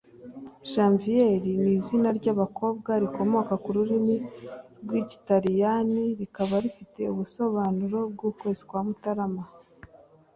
Janviere ni izina ry’abakobwa rikomoka ku rurimi rw’ikilatini rikaba rifite ubusobanuro bw’ukwezi kwa Mutarama